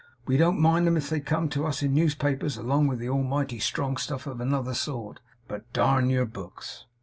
We don't mind 'em if they come to us in newspapers along with almighty strong stuff of another sort, but darn your books.